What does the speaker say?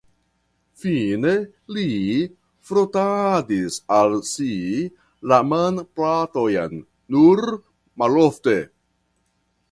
Fine li frotadis al si la manplatojn nur malofte.